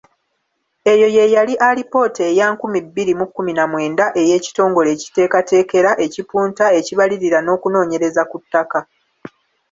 Eyo ye yali alipoota eya nkumi bbiri mu kkumi na mwenda ey'ekitongole ekiteekateekera, ekipunta, ekibalirira n'okunoonyereza ku ttaka.